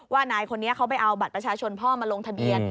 นายคนนี้เขาไปเอาบัตรประชาชนพ่อมาลงทะเบียน